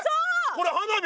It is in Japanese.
これ花火！？